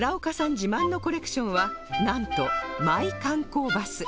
自慢のコレクションはなんとマイ観光バス